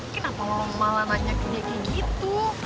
kenapa lo malah tanya kayak gitu